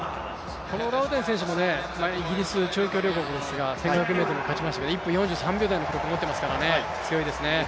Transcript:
このラウデン選手もイギリス、長距離王国ですが１５００ｍ勝ちましたけれども４３秒台を持っていますからね、強いですね。